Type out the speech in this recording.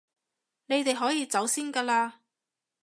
你哋可以走先㗎喇